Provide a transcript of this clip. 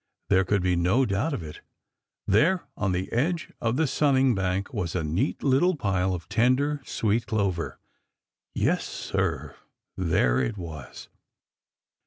There could be no doubt of it; there on the edge of the sunning bank was a neat little pile of tender, sweet clover. Yes, Sir, there it was!